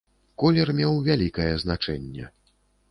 Колер меў вялікае значэнне.